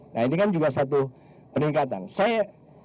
nah ini kan juga satu peningkatan